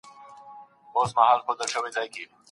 هغه ډاکټر چي دلته دی، اوږده پاڼه ړنګوي.